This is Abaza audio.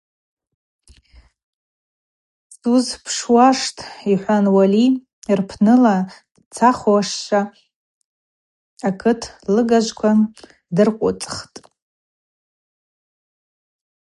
Суызпшуаштӏ,–йхӏван Уали рпныла дцахуазшва акыт лыгажвква дыркъвыцӏхтӏ.